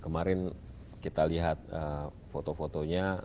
kemarin kita lihat foto fotonya